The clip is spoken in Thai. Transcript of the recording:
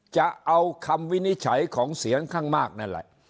จะเอาคำวินิจฉัยของเสียงข้างมากนั่นแหละ